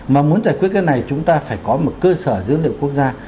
mà muốn giải quyết cái này chúng ta phải có một cơ sở dữ liệu quốc gia